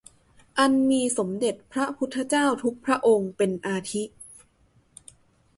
อันมีสมเด็จพระพุทธเจ้าทุกพระองค์เป็นอาทิ